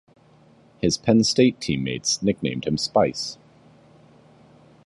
His Penn State teammates nicknamed him Spice.